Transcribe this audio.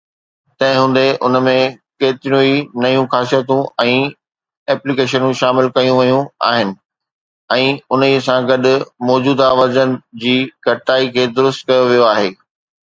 تنهن هوندي، ان ۾ ڪيتريون ئي نيون خاصيتون ۽ ايپليڪيشنون شامل ڪيون ويون آهن ۽ انهي سان گڏ موجوده ورزن جي گهٽتائي کي درست ڪيو ويو آهي.